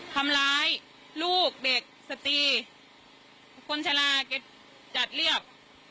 ทำร้ายลูกเด็กสตรีคนชะลาแกจัดเรียบ